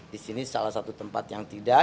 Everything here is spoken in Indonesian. di sini salah satu tempat yang tidak